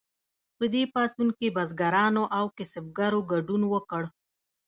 په دې پاڅون کې بزګرانو او کسبګرو ګډون وکړ.